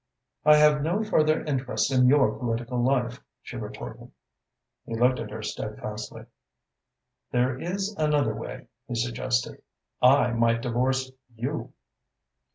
"I have no further interest in your political life," she retorted. He looked at her steadfastly. "There is another way," he suggested. "I might divorce you."